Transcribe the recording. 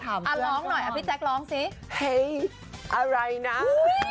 ทุกคนด้วยกันเป็นไรจ้า